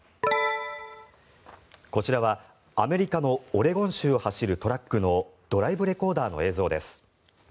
こちらはアメリカのオレゴン州を走るトラックのドライブレコーダーの映像です。